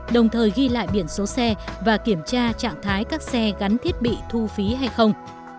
đồng thời ghi lại biển số xe và kiểm tra trạng thái các xe gắn thiết bị thu phí hay không